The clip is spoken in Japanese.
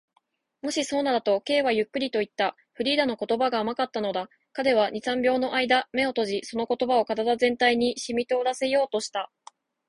「もしそうなら」と、Ｋ はゆっくりといった。フリーダの言葉が甘かったのだ。彼は二、三秒のあいだ眼を閉じ、その言葉を身体全体にしみとおらせようとした。